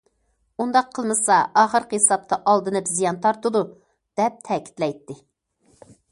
ئۇنداق قىلمىسا ئاخىرقى ھېسابتا ئالدىنىپ زىيان تارتىدۇ، دەپ تەكىتلەيتتى.